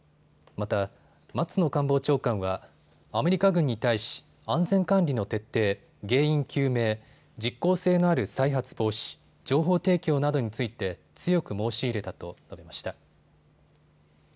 また、松野官房長官はアメリカ軍に対し安全管理の徹底、原因究明、実効性のある再発防止、情報提供などについて強く申し入れたと述べました。